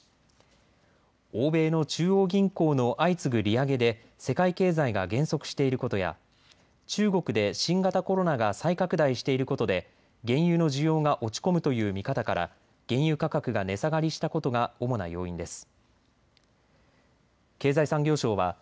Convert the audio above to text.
欧米の中央銀行の相次ぐ利上げで世界経済が減速していることや中国で新型コロナが再拡大していることで原油の需要が落ち込むという見方から原油価格が値下がりしたことが主な要因です。